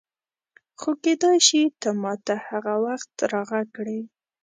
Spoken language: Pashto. خو کېدای شي ته ما ته هغه وخت راغږ کړې.